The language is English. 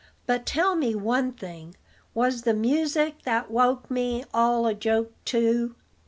But tell me one thing: was the music that woke me all a joke too?"